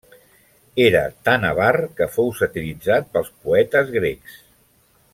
Era tant avar que fou satiritzat pels poetes grecs.